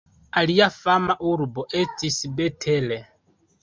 Alia fama urbo estis Bet-El.